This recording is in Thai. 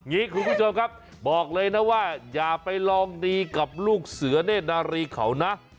คุณผู้ชมครับบอกเลยนะว่าอย่าไปลองดีกับลูกเสือเนธนารีเขานะ